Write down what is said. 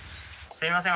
すいません。